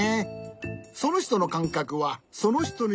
そのひとのかんかくはそのひとにしかわからない。